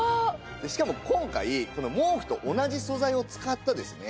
しかも今回この毛布と同じ素材を使ったですね